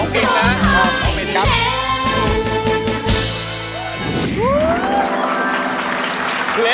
เค้าผิดครับ